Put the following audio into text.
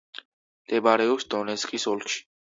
მდებარეობს დონეცკის ოლქში.